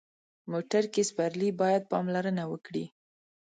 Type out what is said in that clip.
موټر کې سپرلي باید پاملرنه وکړي.